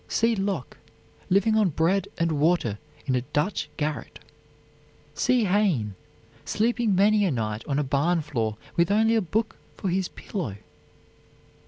See Locke, living on bread and water in a Dutch garret. See Heyne, sleeping many a night on a barn floor with only a book for his pillow.